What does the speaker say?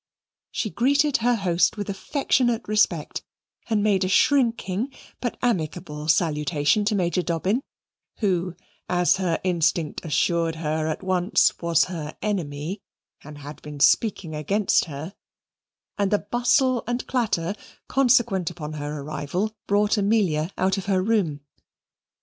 She greeted her host with affectionate respect and made a shrinking, but amicable salutation to Major Dobbin, who, as her instinct assured her at once, was her enemy, and had been speaking against her; and the bustle and clatter consequent upon her arrival brought Amelia out of her room.